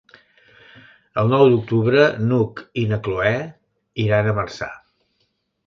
El nou d'octubre n'Hug i na Cloè iran a Marçà.